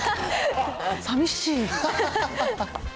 さみしい。